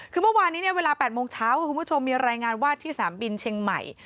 คือเมื่อวานนี้เนี่ยเวลา๘โมงเช้าคุณผู้ชมมีรายงานว่าที่สนามบินเชียงใหม่